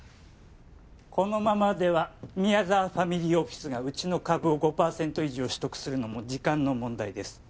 このままでは宮沢ファミリーオフィスがうちの株を５％以上取得するのも時間の問題です